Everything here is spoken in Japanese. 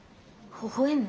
ほほ笑む？